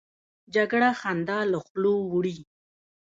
جګړه خندا له خولو وړي